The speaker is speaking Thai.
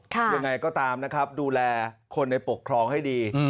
ยังไงก็ตามนะครับดูแลคนในปกครองให้ดี